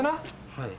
はい。